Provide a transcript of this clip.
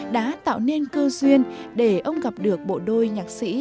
đã tạo nên cơ duyên để ông gặp được bộ đôi nhạc sĩ